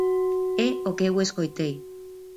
É o que eu escoitei.